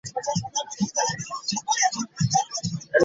Mbadde nnoonya engeri gye mmwetakkuluzaako.